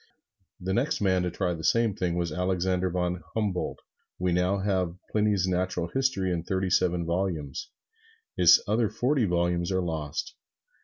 The next man to try the same thing was Alexander von Humboldt. We now have Pliny's "Natural History" in thirty seven volumes. His other forty volumes are lost.